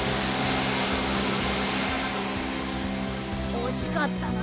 おしかったな